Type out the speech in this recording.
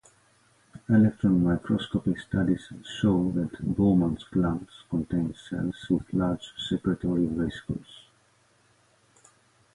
Electron microscopy studies show that Bowman's glands contain cells with large secretory vesicles.